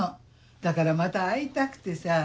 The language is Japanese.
だからまた会いたくてさぁ。